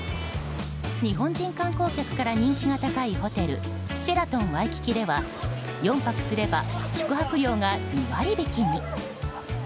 日本人観光客から人気が高いホテルシェラトンワイキキでは４泊すれば宿泊料が２割引きに。